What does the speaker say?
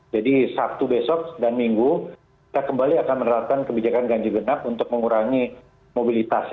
jadi sabtu besok dan minggu kita kembali akan menerapkan kebijakan gaji genap untuk mengurangi mobilitas